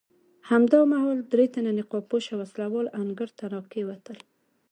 همدا مهال درې تنه نقاب پوشه وسله وال انګړ ته راکېوتل.